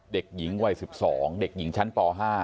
เด็กหญิงวัย๑๒เด็กหญิงชั้นป๕